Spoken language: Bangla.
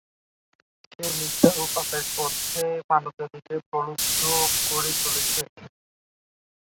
সে মিথ্যা ও পাপের পথে মানবজাতিকে প্রলুব্ধ করে চলেছে।